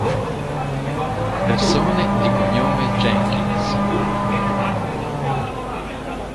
Persone di cognome Jenkins